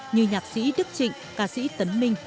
như nhạc sĩ đức trịnh ca sĩ tấn minh